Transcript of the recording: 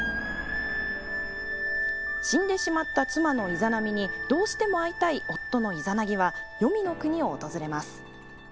死んでしまった妻のイザナミにどうしても会いたい夫のイザナギは黄泉の国を訪れます。